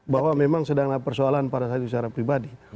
bahwa memang sedang ada persoalan pada saat itu secara pribadi